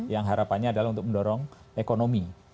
yang harapannya adalah untuk mendorong ekonomi